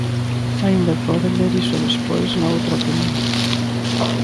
Aínda pode ler iso despois, na outra quenda.